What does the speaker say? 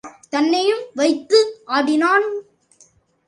தன்னையும் வைத்து ஆடினான்.